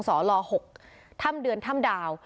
สล๖ถ้ำเดือนถ้ำดาว